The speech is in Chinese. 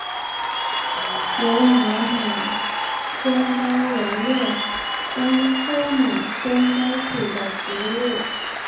柔毛马先蒿为列当科马先蒿属的植物。